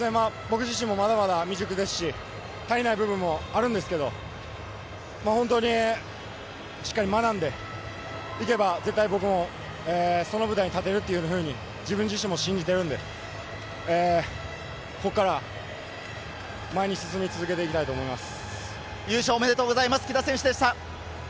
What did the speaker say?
僕自身もまだまだ未熟ですし、足りない部分もあるんですけれども、しっかり学んでいけば、絶対僕もその舞台に立てるというふうに自分自身も信じているので、ここから前に進み続けていきたいと思います。